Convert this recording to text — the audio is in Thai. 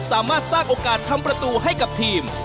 สามารถสร้างโอกาสทำประตูให้กับทีม